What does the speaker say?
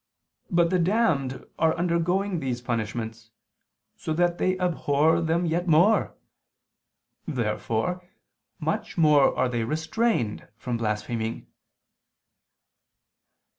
But the damned are undergoing these punishments, so that they abhor them yet more. Therefore, much more are they restrained from blaspheming.